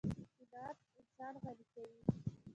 قناعت انسان غني کوي.